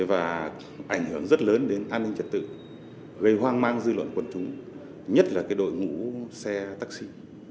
và ảnh hưởng rất lớn đến an ninh trật tự gây hoang mang dư luận quần chúng nhất là đội ngũ xe taxi